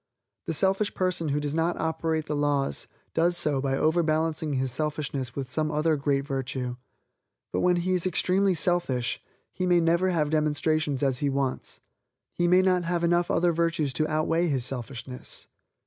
The selfish person who does operate the laws, does so by overbalancing his selfishness with some other great virtue. But when he is extremely selfish, he may never have demonstrations as he wants; he may not have enough other virtues to outweigh his selfishness.